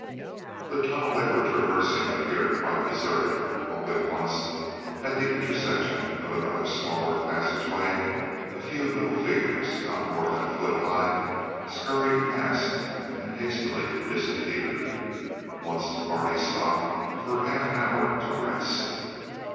The tunnel they were traversing appeared quite deserted; only once, at the intersection of another smaller passageway, a few little figures not more than a foot high scurried past and hastily disappeared. Once the party stopped for half an hour to rest.